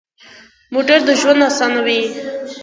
موټر د ژوند اسانوي.